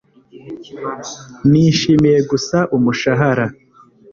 Nishimiye gusa umushahara